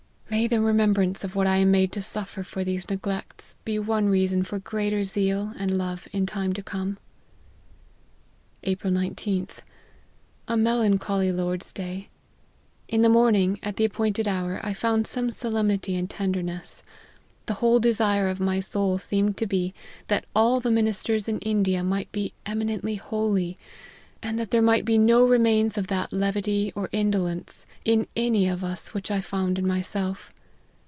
May the remembrance of what I am made to 96 LIFE OF HENRY MARTYN. suffer for these neglects, be one reason for greater zeal and love in time to come." " April 19//t. A melancholy Lord's day ! In the morning, at the appointed hour, I found some solemnity and tenderness : the whole desire of my soul seemed to be, that all the ministers in India might be eminently holy ; and that there might be no remains of that levity or indolence, in any of us, which I found in myself.